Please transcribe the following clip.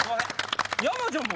山ちゃんも。